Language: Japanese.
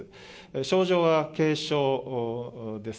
症状は軽症です。